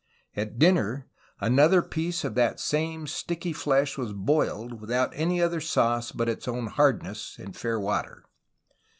At dinner another piece of that same sticky flesh was boiPd, with out any other sauce but its own hardness, and fair water.